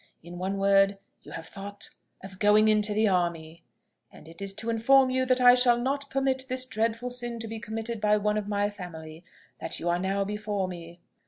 In one word, you have thought of going into the army; and it is to inform you that I shall not permit this dreadful sin to be committed by one of my family, that you are now before me.